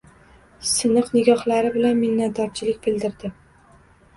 Siniq nigohlari bilan minnatdorchilik bildirdi.